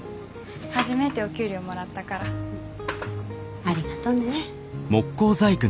初めてお給料もらったから。ありがとね。